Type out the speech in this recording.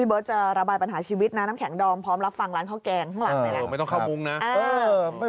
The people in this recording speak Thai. เบิร์ตจะระบายปัญหาชีวิตนะน้ำแข็งดอมพร้อมรับฟังร้านข้าวแกงข้างหลังนะครับ